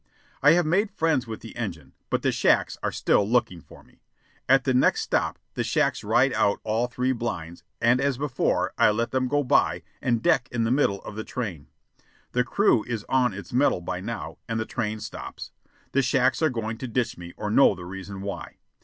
I have made friends with the engine, but the shacks are still looking for me. At the next stop, the shacks ride out all three blinds, and as before, I let them go by and deck in the middle of the train. The crew is on its mettle by now, and the train stops. The shacks are going to ditch me or know the reason why.